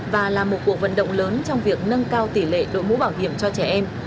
và là một cuộc vận động lớn trong việc nâng cao tỷ lệ đội mũ bảo hiểm cho trẻ em